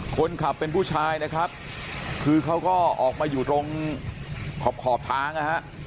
คนขับเป็นผู้ชายนะครับคือเขาก็ออกมาอยู่ตรงขอบขอบทางนะฮะ